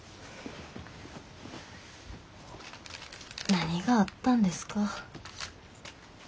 何があったんですか？